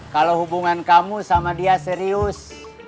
kalau hubungan kamu sama dia serius